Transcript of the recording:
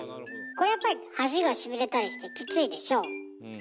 これやっぱり足がしびれたりしてきついでしょう？